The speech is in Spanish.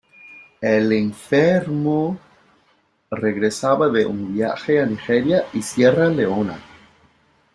El enfermo regresaba de un viaje a Nigeria y Sierra Leona.